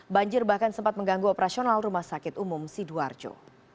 banjir bahkan sempat mengganggu operasional rumah sakit umum sidoarjo